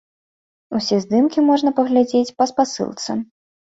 Усе здымкі можна паглядзець па спасылцы.